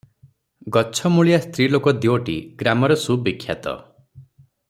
ଗଛମୁଳିଆ ସ୍ତ୍ରୀଲୋକ ଦିଓଟି ଗ୍ରାମରେ ସୁବିଖ୍ୟାତ ।